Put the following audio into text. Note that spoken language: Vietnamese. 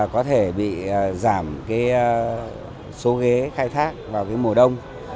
có thể bị giảm cái số ghế khai thác vào cái mùa đông